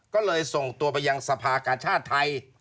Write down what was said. ก็เลยส่งตัวไปยังสภากาชาติไทย